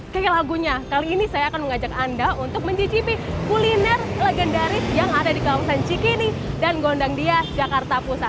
kei lagunya kali ini saya akan mengajak anda untuk mencicipi kuliner legendaris yang ada di kawasan cikini dan gondang dia jakarta pusat